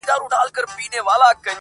o وایې اصل یمه زه مي تر سیلانو,